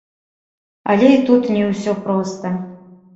Але і тут не ўсё проста.